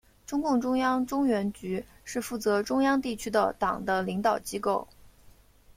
中共中央中原局是负责中央地区的党的领导机构。